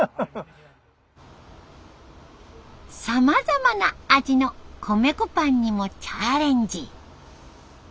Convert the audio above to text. さまざまな味の米粉パンにもチャレンジ。